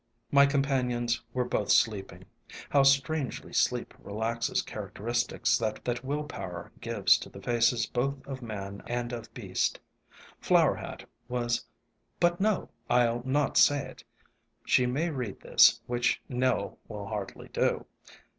My companions were both sleeping. How strangely sleep relaxes characteristics that will power gives to the faces both of man and of beast. Flower Hat was — but no! I'll not say it. She may read this, which Nell will hardly do.